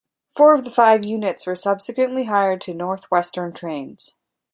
Four of the five units were subsequently hired to North Western Trains.